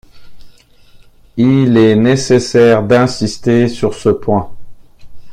Il est nécessaire d’insister sur ce point.